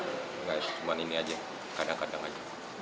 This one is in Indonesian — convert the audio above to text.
nggak cuma ini aja kadang kadang aja